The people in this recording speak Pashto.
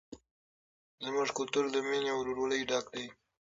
زموږ کلتور له مینې او ورورولۍ ډک دی.